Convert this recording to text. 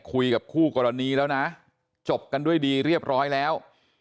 คุยกับคู่กรณีแล้วนะจบกันด้วยดีเรียบร้อยแล้ว